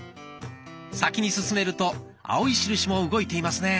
先に進めると青い印も動いていますね。